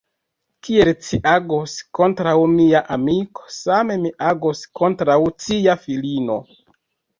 Kiel ci agos kontraŭ mia amiko, same mi agos kontraŭ cia filino.